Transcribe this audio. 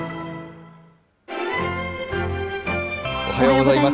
おはようございます。